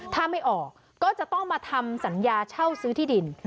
ถ้าไม่ออกก็จะต้องมาทำสัญญาเช่าซื้อที่ดิน